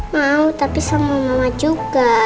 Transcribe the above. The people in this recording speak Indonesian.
mau tapi sama mama juga